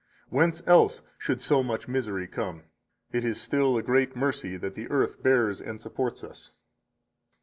Whence else should so much misery come? It is still a great mercy that the earth bears and supports us.